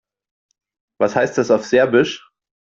Was heißt das auf Serbisch?